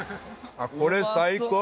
ああこれ最高。